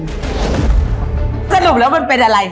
สรุปแล้วมันเป็นอะไร